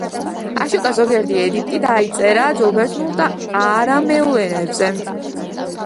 აშოკას ზოგიერთი ედიქტი დაიწერა ძველბერძნულ და არამეულ ენებზე.